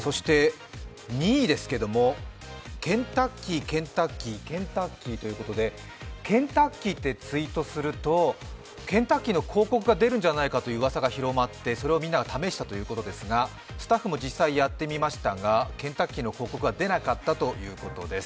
２位ですが、ケンタッキーケンタッキーケンタッキーということでケンタッキーってツイートするとケンタッキーの広告が出るんじゃないかといううわさが広まって、それをみんなが試したということですが、スタッフも実際やってみましたが、ケンタッキーの広告は出なかったということです。